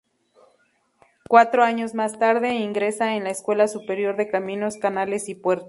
Cuatro años más tarde, ingresa en la Escuela Superior de Caminos, Canales y Puertos.